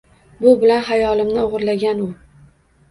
Bu bilan xayolimni o’g’irlagan u.